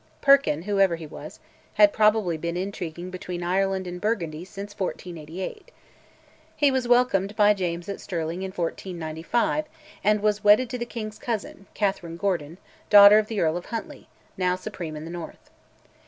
Perkin, whoever he was, had probably been intriguing between Ireland and Burgundy since 1488. He was welcomed by James at Stirling in November 1495, and was wedded to the king's cousin, Catherine Gordon, daughter of the Earl of Huntly, now supreme in the north.